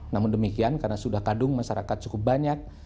namun demikian karena sudah kadung masyarakat cukup banyak